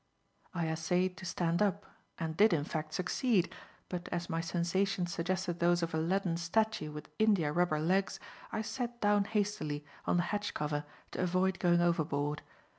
I essayed to stand up, and did, in fact, succeed, but as my sensations suggested those of a leaden statue with india rubber legs, I sat down hastily on the hatch cover to avoid going overboard.